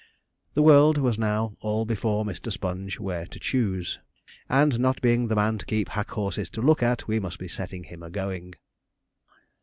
The world was now all before Mr. Sponge where to choose; and not being the man to keep hack horses to look at, we must be setting him a going.